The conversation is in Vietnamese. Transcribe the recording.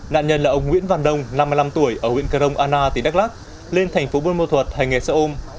nạn nhân là ông nguyễn văn đông năm mươi năm tuổi ở huyện cà rông anna tỉnh đắk lắc lên thành phố bôn mô thuật hành nghề xe ôm